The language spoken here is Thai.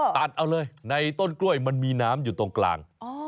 ตัดเอาเลยในต้นกล้วยมันมีน้ำอยู่ตรงกลาง